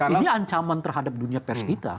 ini ancaman terhadap dunia pers kita